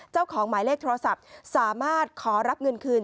เจ้าของหมายเลขโทรศัพท์สามารถขอรับเงินคืน